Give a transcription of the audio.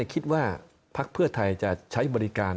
คิดว่าพักเพื่อไทยจะใช้บริการ